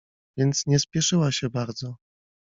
Więc nie spieszyła się bardzo.